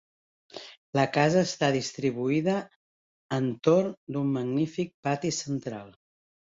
La casa està distribuïda entorn d'un magnífic pati central.